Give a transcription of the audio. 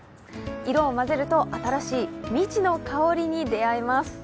色を混ぜると、新しい未知の香りに出会えます。